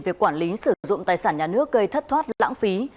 về quản lý sử dụng tài sản nhà nước gây thất thoát lãng phí